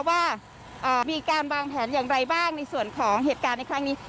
ว่ามีการวางแผนอย่างไรบ้างในส่วนของเหตุการณ์ในครั้งนี้